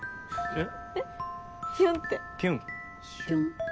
えっ？